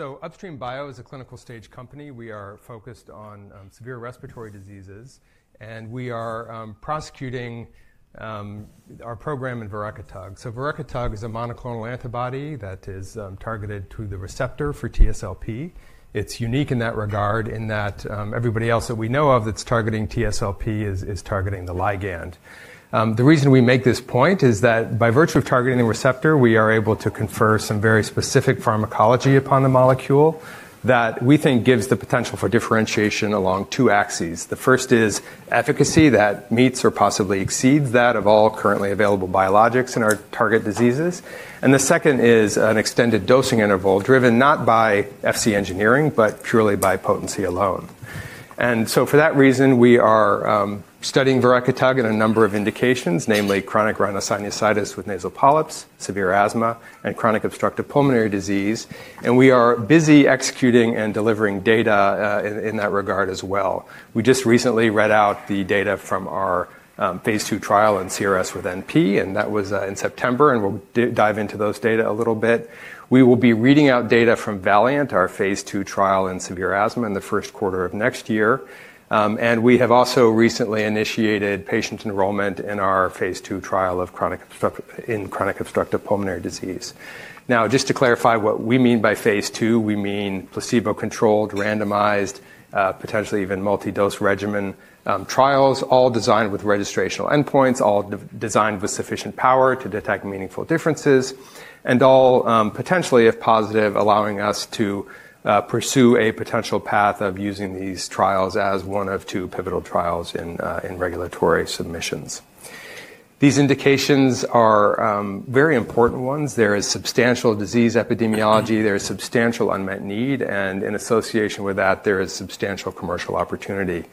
Upstream Bio is a clinical stage company. We are focused on severe respiratory diseases, and we are prosecuting our program in verekitug. Verekitug is a monoclonal antibody that is targeted to the receptor for TSLP. It is unique in that regard in that everybody else that we know of that is targeting TSLP is targeting the ligand. The reason we make this point is that by virtue of targeting the receptor, we are able to confer some very specific pharmacology upon the molecule that we think gives the potential for differentiation along two axes. The first is efficacy that meets or possibly exceeds that of all currently available biologics in our target diseases. The second is an extended dosing interval driven not by Fc Engineering, but purely by potency alone. For that reason, we are studying verekitug in a number of indications, namely chronic rhinosinusitis with nasal polyps, severe asthma, and chronic obstructive pulmonary disease. We are busy executing and delivering data in that regard as well. We just recently read out the data from our phase II trial in CRSwNP, and that was in September, and we'll dive into those data a little bit. We will be reading out data from VALIANT, our phase II trial in severe asthma in the first quarter of next year. We have also recently initiated patient enrollment in our phase II trial in chronic obstructive pulmonary disease. Now, just to clarify what we mean by phase II, we mean placebo-controlled, randomized, potentially even multi-dose regimen trials, all designed with registrational endpoints, all designed with sufficient power to detect meaningful differences, and all, potentially, if positive, allowing us to pursue a potential path of using these trials as one of two pivotal trials in regulatory submissions. These indications are very important ones. There is substantial disease epidemiology, there is substantial unmet need, and in association with that, there is substantial commercial opportunity.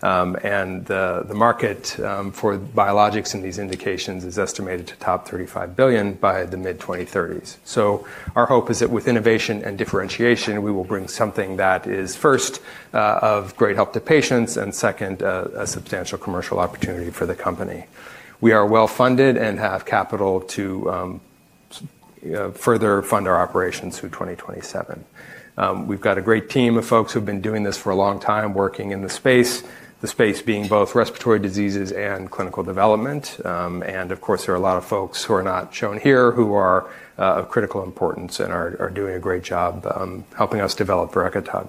The market for biologics in these indications is estimated to top $35 billion by the mid-2030s. Our hope is that with innovation and differentiation, we will bring something that is, first, of great help to patients, and second, a substantial commercial opportunity for the company. We are well-funded and have capital to further fund our operations through 2027. We've got a great team of folks who've been doing this for a long time, working in the space, the space being both respiratory diseases and clinical development. Of course, there are a lot of folks who are not shown here who are of critical importance and are doing a great job, helping us develop verekitug.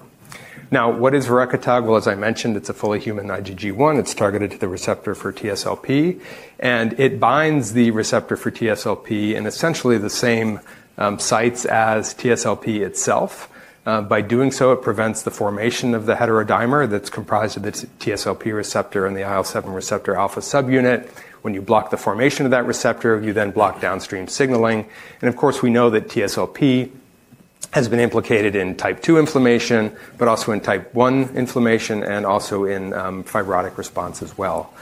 Now, what is verekitug? As I mentioned, it's a fully human IgG1. It's targeted to the receptor for TSLP, and it binds the receptor for TSLP in essentially the same sites as TSLP itself. By doing so, it prevents the formation of the heterodimer that's comprised of this TSLP receptor and the IL-7 receptor alpha subunit. When you block the formation of that receptor, you then block downstream signaling. Of course, we know that TSLP has been implicated in type 2 inflammation, but also in type 1 inflammation, and also in fibrotic response as well.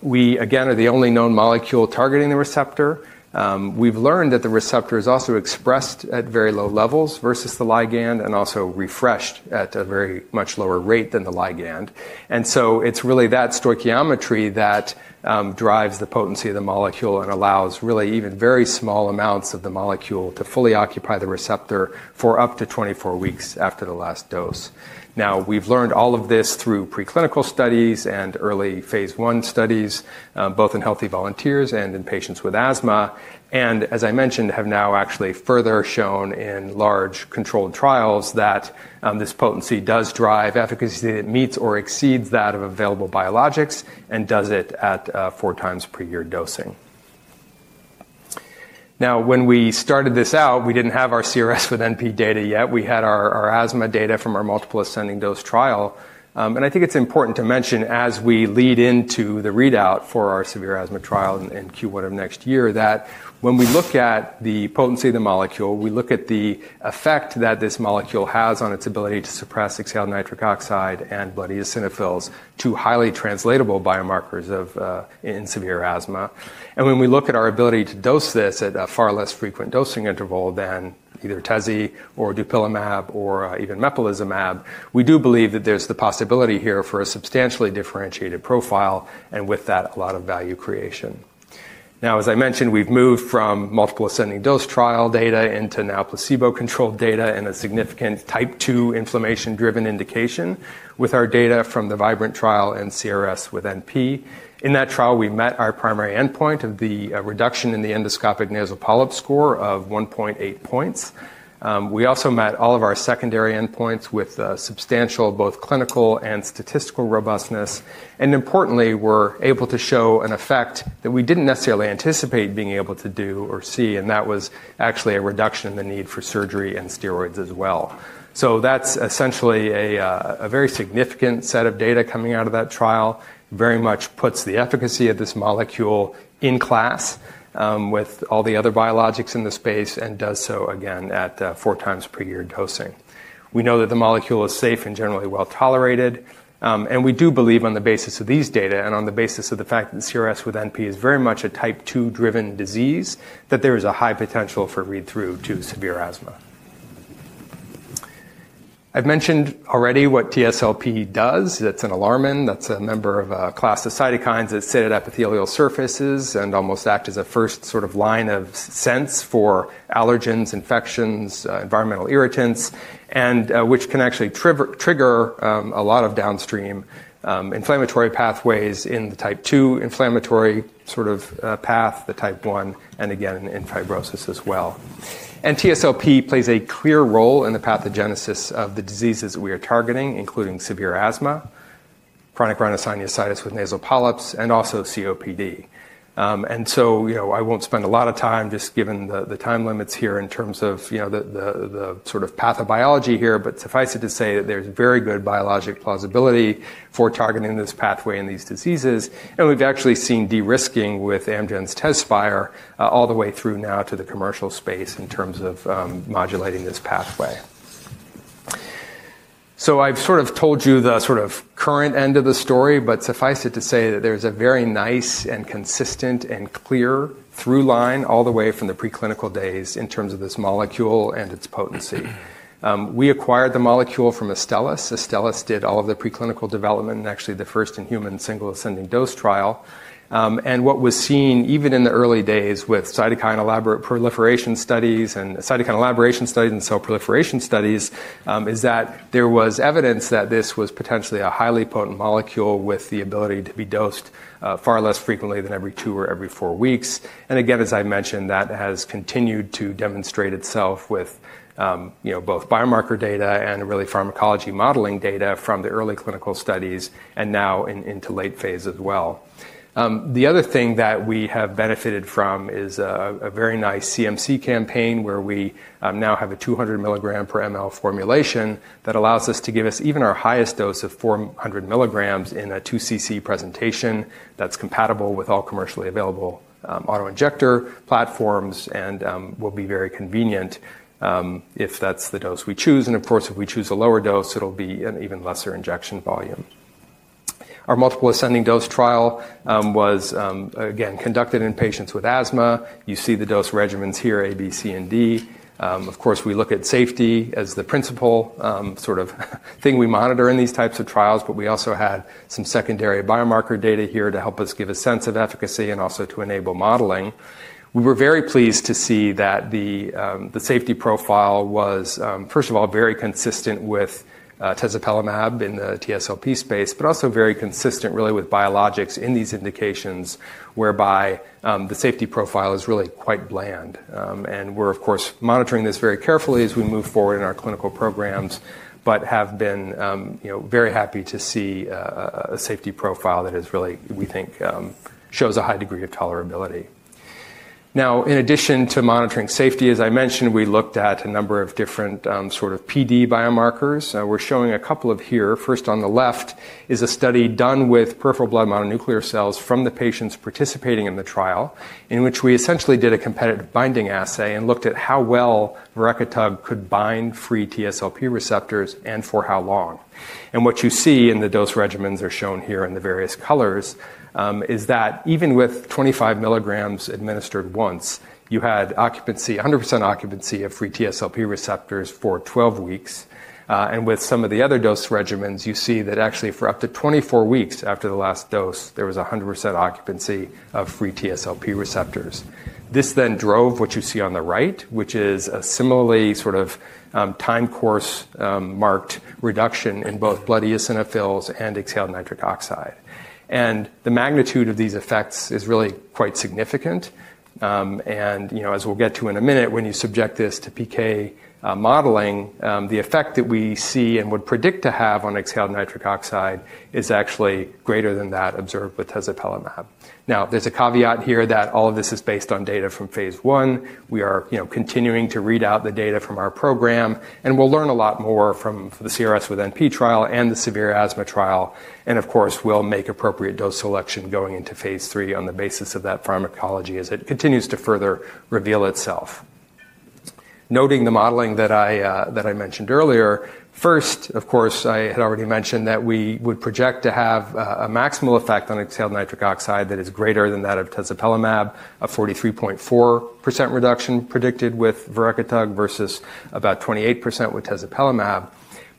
We, again, are the only known molecule targeting the receptor. We've learned that the receptor is also expressed at very low levels versus the ligand and also refreshed at a very much lower rate than the ligand. It is really that stoichiometry that drives the potency of the molecule and allows really even very small amounts of the molecule to fully occupy the receptor for up to 24 weeks after the last dose. We've learned all of this through preclinical studies and early phase I studies, both in healthy volunteers and in patients with asthma. As I mentioned, have now actually further shown in large controlled trials that this potency does drive efficacy that meets or exceeds that of available biologics and does it at four times per year dosing. When we started this out, we did not have our CRSwNP data yet. We had our asthma data from our multiple ascending dose trial. I think it is important to mention as we lead into the readout for our severe asthma trial in Q1 of next year that when we look at the potency of the molecule, we look at the effect that this molecule has on its ability to suppress fractional exhaled nitric oxide and blood eosinophils, two highly translatable biomarkers in severe asthma. When we look at our ability to dose this at a far less frequent dosing interval than either tezepelumab or dupilumab or even mepolizumab, we do believe that there's the possibility here for a substantially differentiated profile and with that, a lot of value creation. As I mentioned, we've moved from multiple ascending dose trial data into now placebo-controlled data in a significant type 2 inflammation-driven indication with our data from the VIBRANT trial and CRSwNP. In that trial, we met our primary endpoint of the reduction in the endoscopic nasal polyp score of 1.8 points. We also met all of our secondary endpoints with substantial both clinical and statistical robustness. Importantly, we were able to show an effect that we didn't necessarily anticipate being able to do or see, and that was actually a reduction in the need for surgery and steroids as well. That's essentially a very significant set of data coming out of that trial, very much puts the efficacy of this molecule in class with all the other biologics in the space and does so again at four times per year dosing. We know that the molecule is safe and generally well tolerated, and we do believe on the basis of these data and on the basis of the fact that CRSwNP is very much a type 2-driven disease, that there is a high potential for read-through to severe asthma. I've mentioned already what TSLP does. It's an alarming that's a member of a class of cytokines that sit at epithelial surfaces and almost act as a first sort of line of sense for allergens, infections, environmental irritants, which can actually trigger a lot of downstream inflammatory pathways in the type 2 inflammatory sort of path, the type 1, and again, in fibrosis as well. TSLP plays a clear role in the pathogenesis of the diseases that we are targeting, including severe asthma, chronic rhinosinusitis with nasal polyps, and also COPD. I won't spend a lot of time just given the time limits here in terms of the sort of pathobiology here, but suffice it to say that there's very good biologic plausibility for targeting this pathway in these diseases. We've actually seen de-risking with Amgen's TEZSPIRE, all the way through now to the commercial space in terms of modulating this pathway. I've sort of told you the sort of current end of the story, but suffice it to say that there's a very nice and consistent and clear through line all the way from the preclinical days in terms of this molecule and its potency. We acquired the molecule from Astellas. Astellas did all of the preclinical development and actually the first in human single ascending dose trial. What was seen even in the early days with cytokine elaboration studies and cell proliferation studies is that there was evidence that this was potentially a highly potent molecule with the ability to be dosed far less frequently than every two or every four weeks. As I mentioned, that has continued to demonstrate itself with, you know, both biomarker data and really pharmacology modeling data from the early clinical studies and now into late phase as well. The other thing that we have benefited from is a very nice CMC campaign where we now have a 200 milligram per mL formulation that allows us to give even our highest dose of 400 milligrams in a 2 cc presentation that's compatible with all commercially available auto injector platforms and will be very convenient, if that's the dose we choose. Of course, if we choose a lower dose, it'll be an even lesser injection volume. Our multiple ascending dose trial was, again, conducted in patients with asthma. You see the dose regimens here, A, B, C, and D. Of course, we look at safety as the principal, sort of thing we monitor in these types of trials, but we also had some secondary biomarker data here to help us give a sense of efficacy and also to enable modeling. We were very pleased to see that the safety profile was, first of all, very consistent with tezepelumab in the TSLP space, but also very consistent really with biologics in these indications whereby the safety profile is really quite bland. We are, of course, monitoring this very carefully as we move forward in our clinical programs, but have been, you know, very happy to see a safety profile that has really, we think, shows a high degree of tolerability. Now, in addition to monitoring safety, as I mentioned, we looked at a number of different, sort of PD biomarkers. We are showing a couple of here. First on the left is a study done with peripheral blood mononuclear cells from the patients participating in the trial, in which we essentially did a competitive binding assay and looked at how well verekitug could bind free TSLP receptors and for how long. What you see in the dose regimens, shown here in the various colors, is that even with 25 mgs administered once, you had occupancy, 100% occupancy of free TSLP receptors for 12 weeks. With some of the other dose regimens, you see that actually for up to 24 weeks after the last dose, there was 100% occupancy of free TSLP receptors. This then drove what you see on the right, which is a similarly sort of time course, marked reduction in both blood eosinophils and acetyl nitric oxide. The magnitude of these effects is really quite significant. and, you know, as we'll get to in a minute, when you subject this to PK modeling, the effect that we see and would predict to have on acetyl nitric oxide is actually greater than that observed with tezepelumab. Now, there's a caveat here that all of this is based on data from phase I. We are, you know, continuing to read out the data from our program, and we'll learn a lot more from the CRSwNP trial and the severe asthma trial. Of course, we'll make appropriate dose selection going into phase III on the basis of that pharmacology as it continues to further reveal itself. Noting the modeling that I mentioned earlier, first, of course, I had already mentioned that we would project to have a maximal effect on acetyl nitric oxide that is greater than that of tezepelumab, a 43.4% reduction predicted with verekitug versus about 28% with tezepelumab.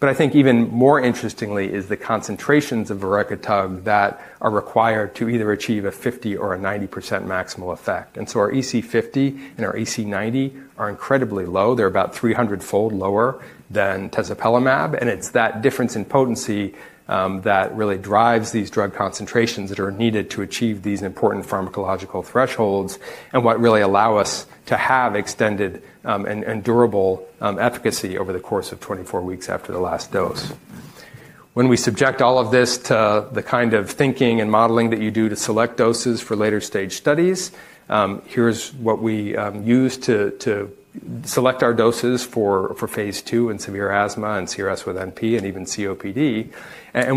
I think even more interestingly is the concentrations of verekitug that are required to either achieve a 50% or a 90% maximal effect. Our EC50 and our EC90 are incredibly low. They're about 300-fold lower than tezepelumab. It's that difference in potency that really drives these drug concentrations that are needed to achieve these important pharmacological thresholds and what really allow us to have extended, and durable, efficacy over the course of 24 weeks after the last dose. When we subject all of this to the kind of thinking and modeling that you do to select doses for later stage studies, here's what we use to select our doses for phase II in severe asthma and CRSwNP and even COPD.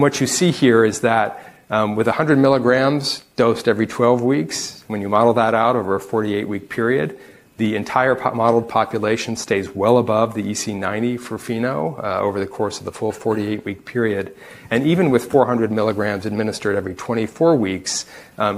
What you see here is that, with 100 milligrams dosed every 12 weeks, when you model that out over a 48-week period, the entire modeled population stays well above the EC90 for FeNO over the course of the full 48-week period. Even with 400 milligrams administered every 24 weeks,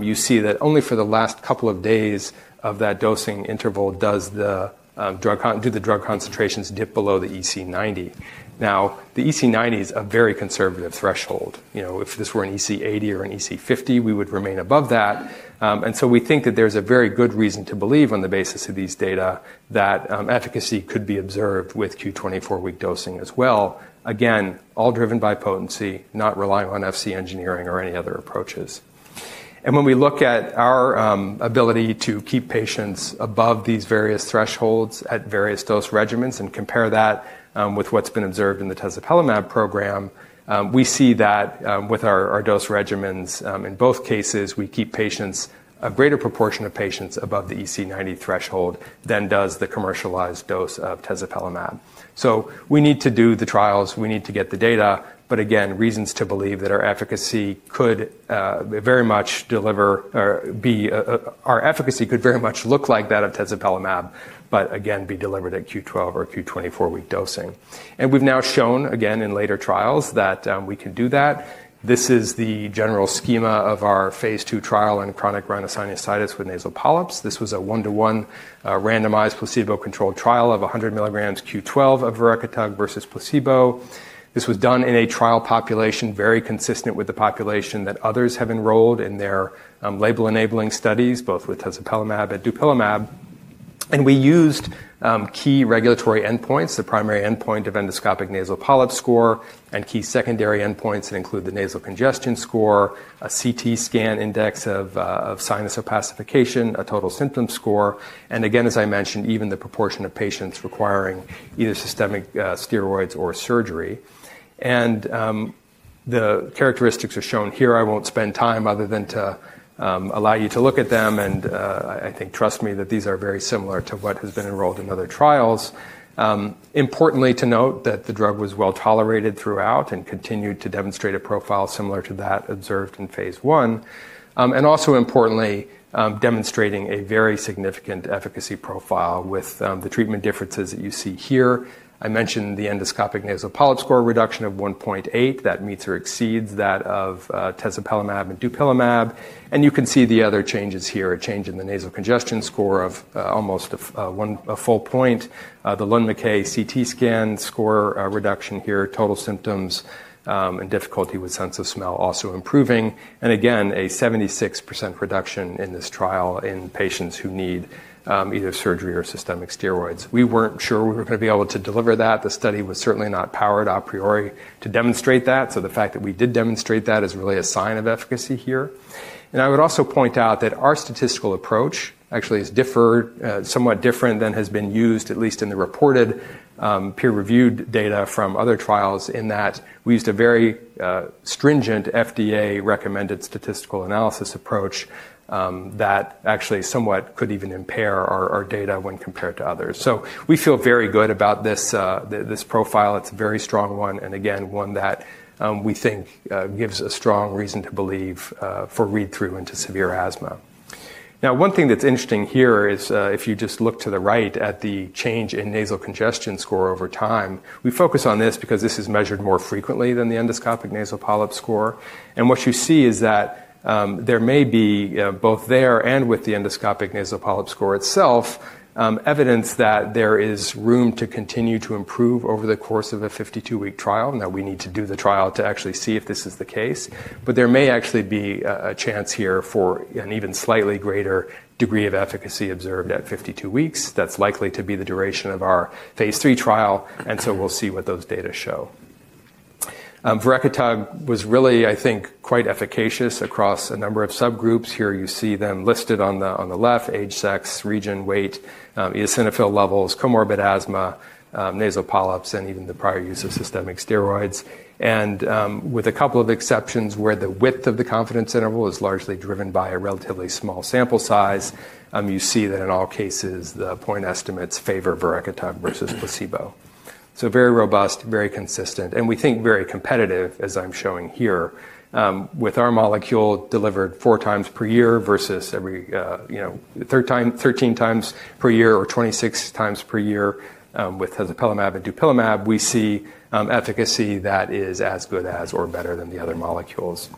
you see that only for the last couple of days of that dosing interval do the drug concentrations dip below the EC90. Now, the EC90 is a very conservative threshold. You know, if this were an EC80 or an EC50, we would remain above that. We think that there's a very good reason to believe on the basis of these data that efficacy could be observed with Q24 week dosing as well. Again, all driven by potency, not relying on Fc Engineering or any other approaches. When we look at our ability to keep patients above these various thresholds at various dose regimens and compare that with what's been observed in the tezepelumab program, we see that with our dose regimens, in both cases, we keep a greater proportion of patients above the EC90 threshold than does the commercialized dose of tezepelumab. We need to do the trials. We need to get the data. Again, reasons to believe that our efficacy could very much deliver or be, our efficacy could very much look like that of tezepelumab, but again, be delivered at Q12 or Q24 week dosing. We have now shown again in later trials that we can do that. This is the general schema of our phase II trial in chronic rhinosinusitis with nasal polyps. This was a one-to-one, randomized placebo-controlled trial of 100 mgs Q12 of verekitug versus placebo. This was done in a trial population very consistent with the population that others have enrolled in their label enabling studies, both with tezepelumab and dupilumab. We used key regulatory endpoints, the primary endpoint of endoscopic nasal polyp score and key secondary endpoints that include the nasal congestion score, a CT scan index of sinus opacification, a total symptom score. As I mentioned, even the proportion of patients requiring either systemic steroids or surgery. The characteristics are shown here. I will not spend time other than to allow you to look at them. I think, trust me, that these are very similar to what has been enrolled in other trials. Importantly, to note that the drug was well tolerated throughout and continued to demonstrate a profile similar to that observed in phase I. Also importantly, demonstrating a very significant efficacy profile with the treatment differences that you see here. I mentioned the endoscopic nasal polyp score reduction of 1.8 that meets or exceeds that of tezepelumab and dupilumab. You can see the other changes here, a change in the nasal congestion score of almost a one, a full point. The Lund-MacKay CT scan score reduction here, total symptoms, and difficulty with sense of smell also improving. Again, a 76% reduction in this trial in patients who need either surgery or systemic steroids. We were not sure we were going to be able to deliver that. The study was certainly not powered a priori to demonstrate that. The fact that we did demonstrate that is really a sign of efficacy here. I would also point out that our statistical approach actually is different, somewhat different than has been used, at least in the reported, peer-reviewed data from other trials in that we used a very stringent FDA-recommended statistical analysis approach that actually somewhat could even impair our data when compared to others. We feel very good about this profile. It's a very strong one. One that, we think, gives a strong reason to believe, for read-through into severe asthma. One thing that's interesting here is, if you just look to the right at the change in nasal congestion score over time, we focus on this because this is measured more frequently than the endoscopic nasal polyp score. What you see is that there may be, both there and with the endoscopic nasal polyp score itself, evidence that there is room to continue to improve over the course of a 52-week trial and that we need to do the trial to actually see if this is the case. There may actually be a chance here for an even slightly greater degree of efficacy observed at 52 weeks. That is likely to be the duration of our phase III trial. We will see what those data show. Verekitug was really, I think, quite efficacious across a number of subgroups. Here you see them listed on the left: age, sex, region, weight, eosinophil levels, comorbid asthma, nasal polyps, and even the prior use of systemic steroids. With a couple of exceptions where the width of the confidence interval is largely driven by a relatively small sample size, you see that in all cases, the point estimates favor verekitug versus placebo. Very robust, very consistent, and we think very competitive, as I'm showing here, with our molecule delivered four times per year versus every, you know, 13 times per year or 26 times per year, with tezepelumab and dupilumab, we see efficacy that is as good as or better than the other molecules.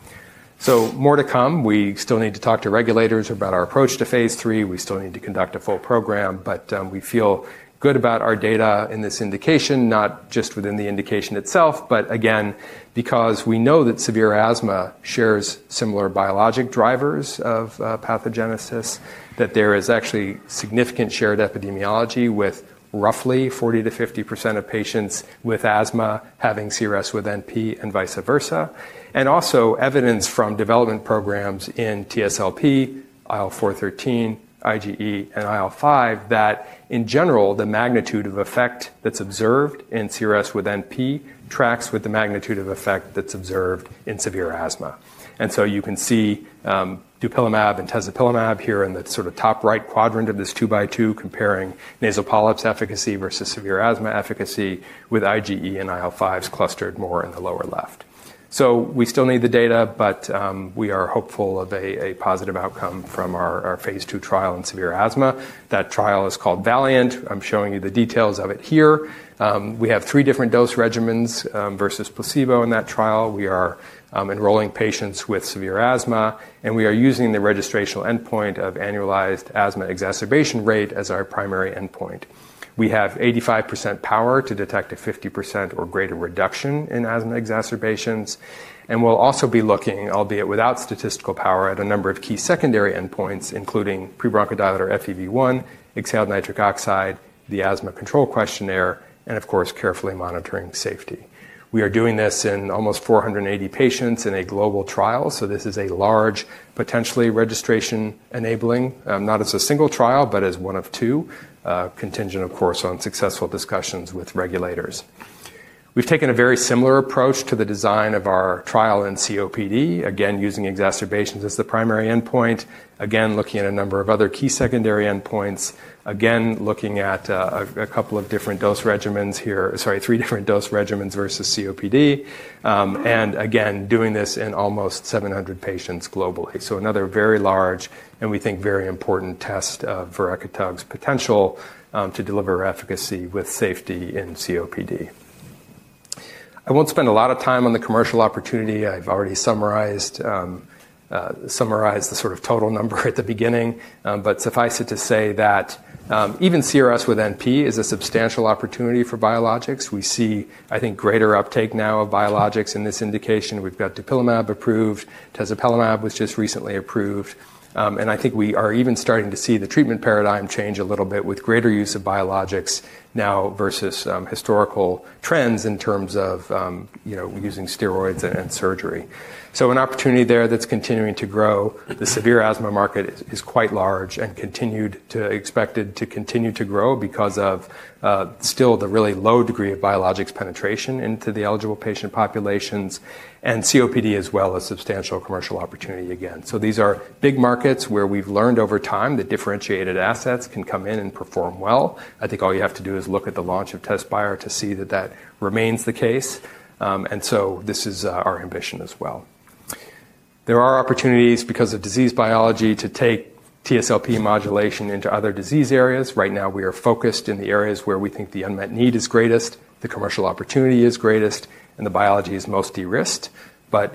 More to come. We still need to talk to regulators about our approach to phase III. We still need to conduct a full program, but we feel good about our data in this indication, not just within the indication itself, but again, because we know that severe asthma shares similar biologic drivers of pathogenesis, that there is actually significant shared epidemiology with roughly 40%-50% of patients with asthma having CRSwNP and vice versa. Also, evidence from development programs in TSLP, IL-4/13, IgE, and IL-5 shows that in general, the magnitude of effect that's observed in CRSwNP tracks with the magnitude of effect that's observed in severe asthma. You can see dupilumab and tezepelumab here in the sort of top right quadrant of this two by two comparing nasal polyps efficacy versus severe asthma efficacy, with IgE and IL-5s clustered more in the lower left. We still need the data, but we are hopeful of a positive outcome from our phase II trial in severe asthma. That trial is called VALIANT. I'm showing you the details of it here. We have three different dose regimens versus placebo in that trial. We are enrolling patients with severe asthma, and we are using the registrational endpoint of annualized asthma exacerbation rate as our primary endpoint. We have 85% power to detect a 50% or greater reduction in asthma exacerbations. We'll also be looking, albeit without statistical power, at a number of key secondary endpoints, including pre-bronchodilator FEV1, exhaled nitric oxide, the asthma control questionnaire, and of course, carefully monitoring safety. We are doing this in almost 480 patients in a global trial. This is a large, potentially registration-enabling, not as a single trial, but as one of two, contingent, of course, on successful discussions with regulators. We've taken a very similar approach to the design of our trial in COPD, again, using exacerbations as the primary endpoint, again, looking at a number of other key secondary endpoints, again, looking at a couple of different dose regimens here, sorry, three different dose regimens versus COPD, and again, doing this in almost 700 patients globally. Another very large, and we think very important test of verekitug's potential to deliver efficacy with safety in COPD. I won't spend a lot of time on the commercial opportunity. I've already summarized the sort of total number at the beginning, but suffice it to say that even CRSwNP is a substantial opportunity for biologics. We see, I think, greater uptake now of biologics in this indication. We've got dupilumab approved. Tezepelumab was just recently approved. I think we are even starting to see the treatment paradigm change a little bit with greater use of biologics now versus historical trends in terms of, you know, using steroids and surgery. An opportunity there that's continuing to grow. The severe asthma market is quite large and expected to continue to grow because of still the really low degree of biologics penetration into the eligible patient populations and COPD as well as substantial commercial opportunity again. These are big markets where we've learned over time that differentiated assets can come in and perform well. I think all you have to do is look at the launch of TEZSPIRE to see that that remains the case. This is our ambition as well. There are opportunities because of disease biology to take TSLP modulation into other disease areas. Right now, we are focused in the areas where we think the unmet need is greatest, the commercial opportunity is greatest, and the biology is most de-risked.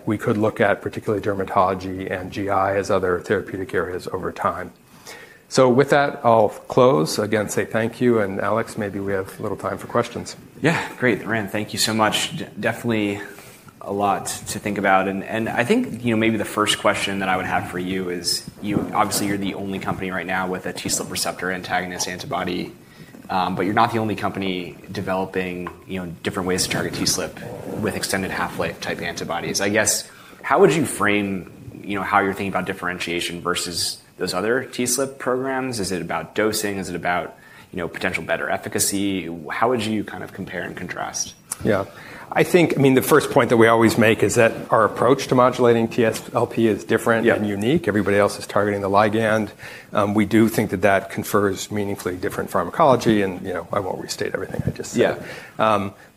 We could look at particularly dermatology and GI as other therapeutic areas over time. With that, I'll close. Again, say thank you. Alex, maybe we have a little time for questions. Yeah, great, Rand. Thank you so much. Definitely a lot to think about. I think, you know, maybe the first question that I would have for you is, you know, obviously you're the only company right now with a TSLP receptor antagonist antibody, but you're not the only company developing, you know, different ways to target TSLP with extended half-life type antibodies. I guess, how would you frame, you know, how you're thinking about differentiation versus those other TSLP programs? Is it about dosing? Is it about, you know, potential better efficacy? How would you kind of compare and contrast? Yeah, I think, I mean, the first point that we always make is that our approach to modulating TSLP is different and unique. Everybody else is targeting the ligand. We do think that that confers meaningfully different pharmacology. And, you know, I won't restate everything. I just, yeah.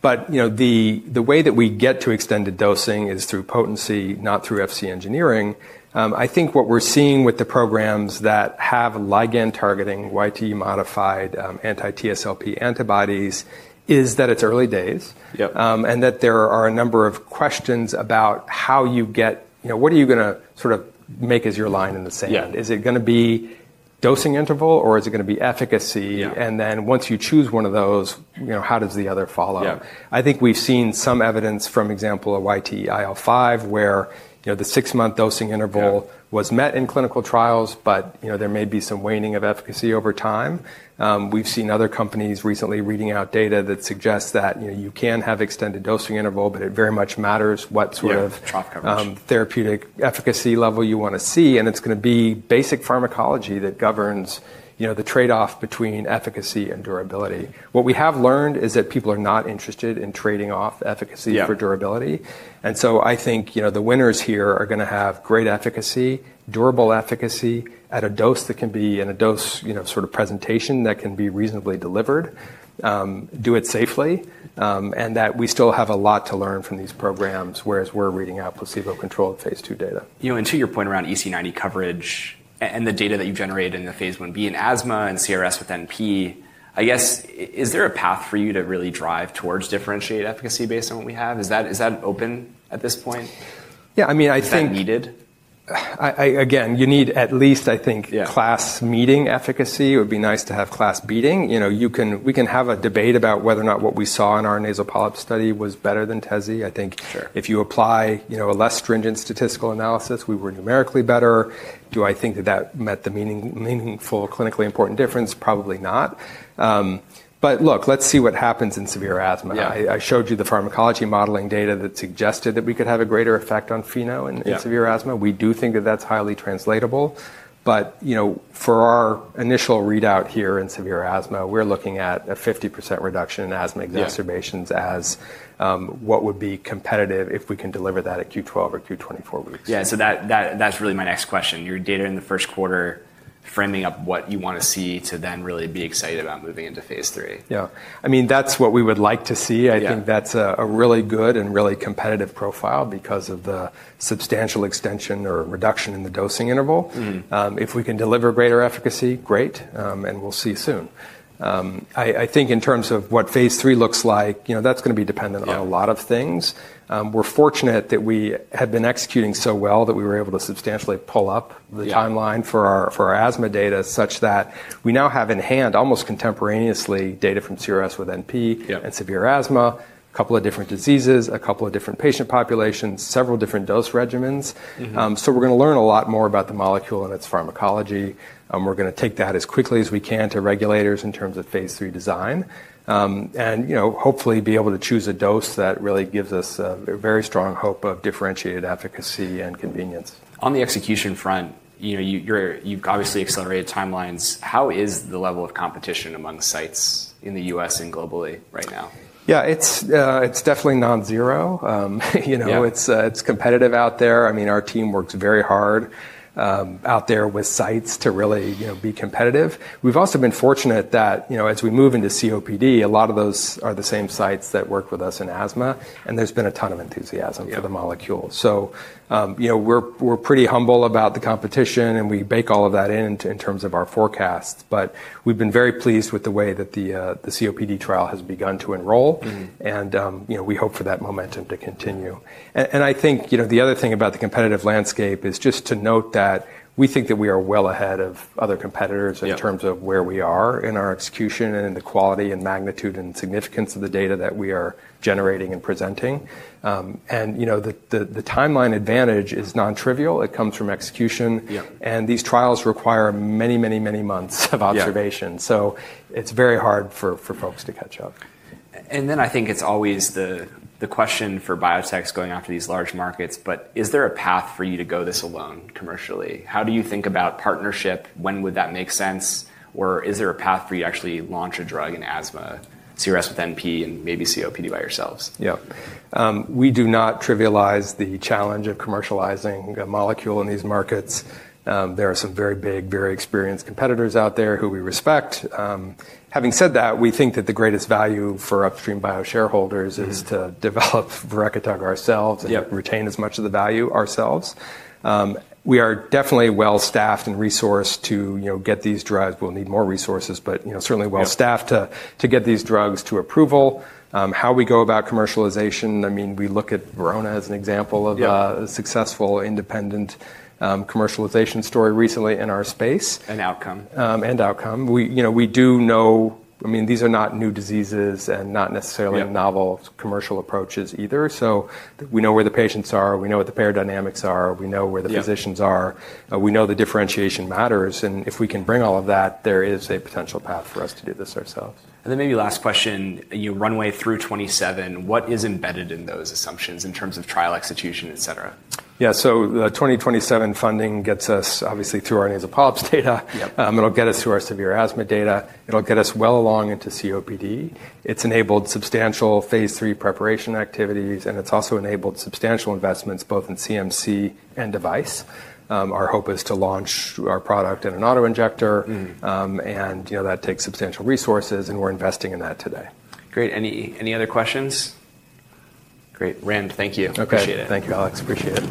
But, you know, the way that we get to extended dosing is through potency, not through Fc Engineering. I think what we're seeing with the programs that have ligand-targeting, YT-modified, anti-TSLP antibodies is that it's early days. Yep. And that there are a number of questions about how you get, you know, what are you going to sort of make as your line in the sand? Is it going to be dosing interval or is it going to be efficacy? And then once you choose one of those, you know, how does the other follow? I think we've seen some evidence from example of YT, IL-5, where, you know, the six-month dosing interval was met in clinical trials, but, you know, there may be some waning of efficacy over time. we've seen other companies recently reading out data that suggests that, you know, you can have extended dosing interval, but it very much matters what sort of, therapeutic efficacy level you want to see. And it's going to be basic pharmacology that governs, you know, the trade-off between efficacy and durability. What we have learned is that people are not interested in trading off efficacy for durability. I think, you know, the winners here are going to have great efficacy, durable efficacy at a dose that can be in a dose, you know, sort of presentation that can be reasonably delivered, do it safely, and that we still have a lot to learn from these programs, whereas we're reading out placebo-controlled phase II data. You know, and to your point around EC90 coverage and the data that you generate in the phase I-b in asthma and CRSwNP, I guess, is there a path for you to really drive towards differentiated efficacy based on what we have? Is that, is that open at this point? Yeah, I mean, I think Is that needed? I, again, you need at least, I think, class meeting efficacy. It would be nice to have class beating. You know, you can, we can have a debate about whether or not what we saw in our nasal polyp study was better than tezepelumab. I think if you apply, you know, a less stringent statistical analysis, we were numerically better. Do I think that that met the meaningful clinically important difference? Probably not. but look, let's see what happens in severe asthma. I showed you the pharmacology modeling data that suggested that we could have a greater effect on FeNO in severe asthma. We do think that that's highly translatable. But, you know, for our initial readout here in severe asthma, we're looking at a 50% reduction in asthma exacerbations as what would be competitive if we can deliver that at Q12 or Q24 weeks. Yeah. That, that's really my next question. Your data in the first quarter framing up what you want to see to then really be excited about moving into phase III. Yeah. I mean, that's what we would like to see. I think that's a really good and really competitive profile because of the substantial extension or reduction in the dosing interval. If we can deliver greater efficacy, great. And we'll see soon. I think in terms of what phase III looks like, you know, that's going to be dependent on a lot of things. We're fortunate that we had been executing so well that we were able to substantially pull up the timeline for our asthma data such that we now have in hand almost contemporaneously data from CRSwNP and severe asthma, a couple of different diseases, a couple of different patient populations, several different dose regimens. We're going to learn a lot more about the molecule and its pharmacology. We're going to take that as quickly as we can to regulators in terms of phase III design. You know, hopefully be able to choose a dose that really gives us a very strong hope of differentiated efficacy and convenience. On the execution front, you know, you've obviously accelerated timelines. How is the level of competition among sites in the U.S. and globally right now? Yeah, it's definitely non-zero. You know, it's competitive out there. I mean, our team works very hard out there with sites to really, you know, be competitive. We've also been fortunate that, you know, as we move into COPD, a lot of those are the same sites that work with us in asthma, and there's been a ton of enthusiasm for the molecule. You know, we're pretty humble about the competition, and we bake all of that in in terms of our forecasts, but we've been very pleased with the way that the COPD trial has begun to enroll. You know, we hope for that momentum to continue. I think, you know, the other thing about the competitive landscape is just to note that we think that we are well ahead of other competitors in terms of where we are in our execution and in the quality and magnitude and significance of the data that we are generating and presenting. You know, the timeline advantage is non-trivial. It comes from execution. Yeah. These trials require many, many, many months of observation. It is very hard for folks to catch up. I think it's always the question for biotechs going after these large markets, but is there a path for you to go this alone commercially? How do you think about partnership? When would that make sense? Or is there a path for you to actually launch a drug in asthma, CRSwNP and maybe COPD by yourselves? Yeah. We do not trivialize the challenge of commercializing a molecule in these markets. There are some very big, very experienced competitors out there who we respect. Having said that, we think that the greatest value for Upstream Bio shareholders is to develop verekitug ourselves and retain as much of the value ourselves. We are definitely well staffed and resourced to, you know, get these drugs. We'll need more resources, but, you know, certainly well staffed to get these drugs to approval. How we go about commercialization, I mean, we look at Verona as an example of a successful independent commercialization story recently in our space. And outcome. We, you know, we do know, I mean, these are not new diseases and not necessarily novel commercial approaches either. We know where the patients are. We know what the paradigms are. We know where the physicians are. We know the differentiation matters. If we can bring all of that, there is a potential path for us to do this ourselves. Maybe last question, you know, runway through 2027, what is embedded in those assumptions in terms of trial execution, et cetera? Yeah. The 2027 funding gets us obviously through our nasal polyps data. It'll get us through our severe asthma data. It'll get us well along into COPD. It's enabled substantial phase III preparation activities, and it's also enabled substantial investments both in CMC and device. Our hope is to launch our product in an auto injector. And, you know, that takes substantial resources, and we're investing in that today. Great. Any, any other questions? Great. Rand, thank you. Appreciate it. Thank you, Alex. Appreciate it.